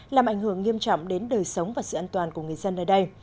làm ảnh hưởng nghiêm trọng đến đời sống và sự an toàn của người dân nơi đây